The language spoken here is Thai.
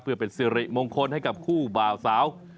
เพื่อเป็นสิริมงคลให้กับคู่บ่าวสาว